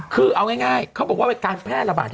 คือเอาง่ายเขาบอกว่าเป็นการแพร่ระบาด